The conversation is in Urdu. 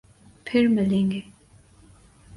پھر ملیں گے